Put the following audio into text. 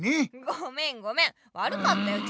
ごめんごめんわるかったよ